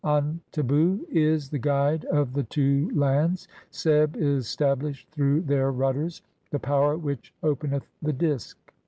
Antebu [is] the guide of the "two lands. Seb is stablished [through] their rudders. (8) The "power which openeth the Disk.